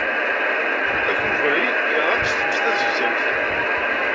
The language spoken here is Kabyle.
Akubri iṛeqq s tmes tazegzawt.